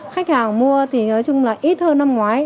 khách hàng mua thì nói chung là ít hơn năm ngoái